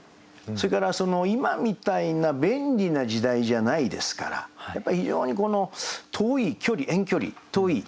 それから今みたいな便利な時代じゃないですからやっぱり非常に遠い距離遠距離遠い。